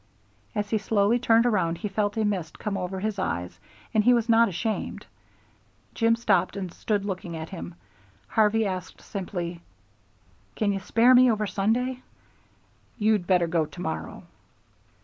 As he slowly turned around he felt a mist come over his eyes and he was not ashamed. Jim stopped and stood looking at him. Harvey asked simply, "Can you spare me over Sunday?" "You'd better go to morrow."